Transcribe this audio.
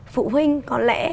phụ huynh có lẽ